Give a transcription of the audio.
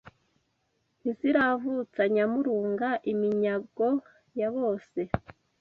Ntiziravutsa Nyamurunga iminyago yabose